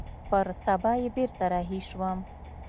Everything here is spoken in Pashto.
پر سبا يې بېرته رهي سوم.